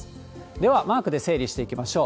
では、マークで整理していきましょう。